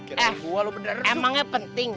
eh emangnya penting